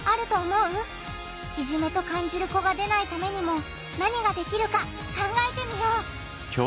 いじめと感じる子が出ないためにも何ができるか考えてみよう！